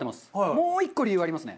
もう１個理由がありますね。